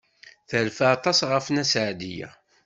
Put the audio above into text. Terfa aṭas ɣef Nna Seɛdiya.